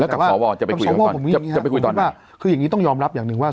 กับสวจะไปคุยเขาก่อนจะจะไปคุยตอนหน้าคืออย่างนี้ต้องยอมรับอย่างหนึ่งว่า